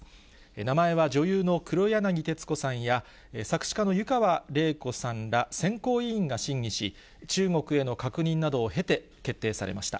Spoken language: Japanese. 名前は女優の黒柳徹子さんや、作詞家の湯川れい子さんら、選考委員が審議し、中国への確認などを経て、決定されました。